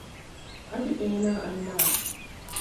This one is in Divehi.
އަދި އޭނާ އަންނާނެ